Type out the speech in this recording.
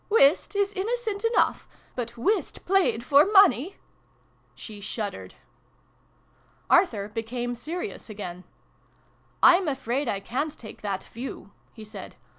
" Whist is inno cent enough : but whist played for money !" She shuddered. Arthur became serious again. " I'm afraid I ca'n't take that view," he said.